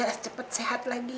supaya dia cepat sehat lagi